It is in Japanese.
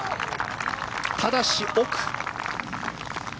ただし、奥。